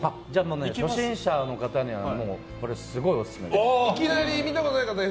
初心者の方にはすごいオススメ。